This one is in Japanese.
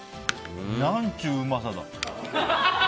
なんちゅう、うまさだ。